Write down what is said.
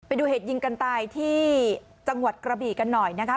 ไปดูเหตุยิงกันตายที่จังหวัดกระบีกันหน่อยนะคะ